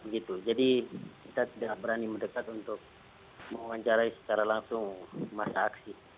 jadi kita tidak berani mendekat untuk menguancarai secara langsung masa aksi